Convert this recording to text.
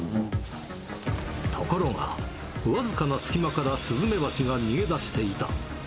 ところが、僅かな隙間からスズメバチが逃げ出していた。